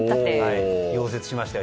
溶接しましたよ。